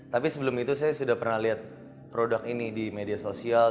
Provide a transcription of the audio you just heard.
tapi sebelum itu saya sudah pernah lihat produk ini di media sosial